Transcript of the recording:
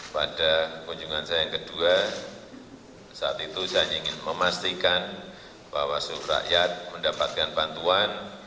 pada kunjungan saya yang kedua saat itu saya ingin memastikan bahwa seluruh rakyat mendapatkan bantuan